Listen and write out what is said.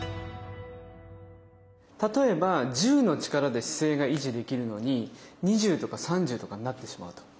例えば１０の力で姿勢が維持できるのに２０とか３０とかになってしまうと。